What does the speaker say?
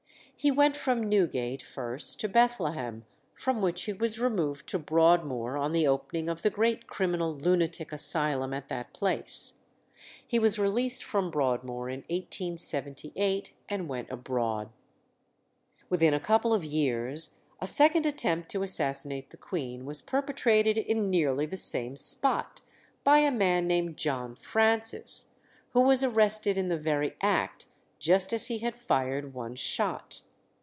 He went from Newgate first to Bethlehem, from which he was removed to Broadmoor on the opening of the great criminal lunatic asylum at that place. He was released from Broadmoor in 1878, and went abroad. Within a couple of years a second attempt to assassinate the Queen was perpetrated in nearly the same spot, by a man named John Francis, who was arrested in the very act, just as he had fired one shot.